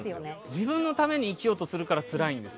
自分のために生きようとするからつらいんです。